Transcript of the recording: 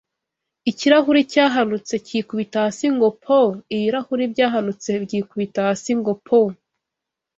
Ikirahuri Cyahanutse kikubita hasi ngo «pooo»!Ibirahuri byahanutse byikubita hasi ngo”pooo”! –